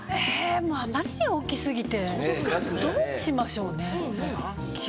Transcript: あまりに大きすぎて、何をやりましょうね。